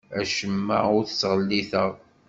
Acemma ur t-ttɣelliteɣ.